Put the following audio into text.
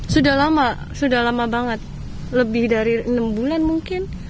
sudah lama sudah lama banget lebih dari enam bulan mungkin